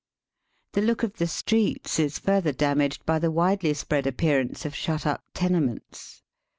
The look of the streets is father damaged by the widely spread appearance of shut up tenements.